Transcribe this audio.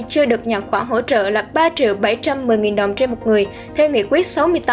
chưa được nhận khoản hỗ trợ là ba triệu bảy trăm một mươi đồng trên một người theo nghị quyết sáu mươi tám